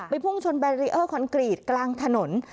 พุ่งชนแบรีเออร์คอนกรีตกลางถนน